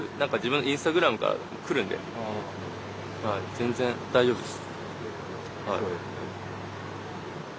全然大丈夫です。